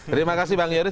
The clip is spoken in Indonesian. terima kasih bang yoris